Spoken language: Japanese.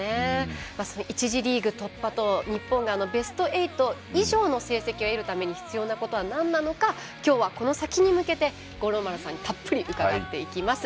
１次リーグ突破と日本がベスト８以上の成績を得るために必要なことはなんなんのか今日はこの先に向けて五郎丸さんにたっぷり伺っていきます。